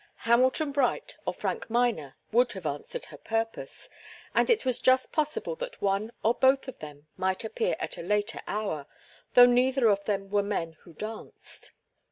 Hamilton Bright or Frank Miner would have answered her purpose, and it was just possible that one or both of them might appear at a later hour, though neither of them were men who danced.